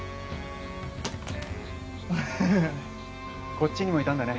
こっちにもいたんだね。